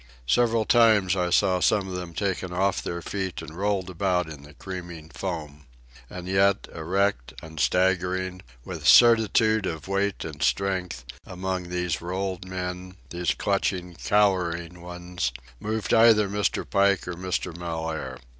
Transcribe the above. Several times I saw some of them taken off their feet and rolled about in the creaming foam. And yet, erect, unstaggering, with certitude of weight and strength, among these rolled men, these clutching, cowering ones, moved either Mr. Pike or Mr. Mellaire.